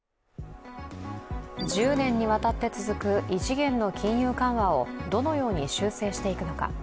１０年にわたって続く異次元の金融緩和をどのように修正していくのか。